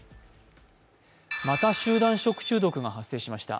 また集団食中毒が発生しました。